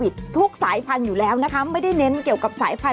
ดูค่ะ